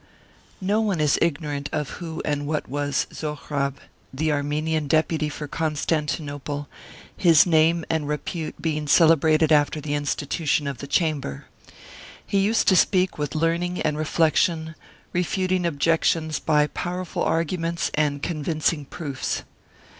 No one is ignorant of who and what was Zohrab, the Armenian Deputy for Constantinople, his name and repute being celebrated after the institution of the Cham ber. He used to speak with learning and reflection, refuting objections by powerful arguments and con vincing proofs.